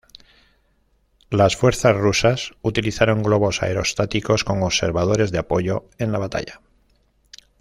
Las fuerzas rusas utilizaron globos aerostáticos con observadores de apoyo en la batalla.